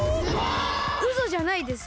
うそじゃないです！